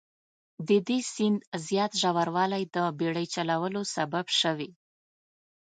د دې سیند زیات ژوروالی د بیړۍ چلولو سبب شوي.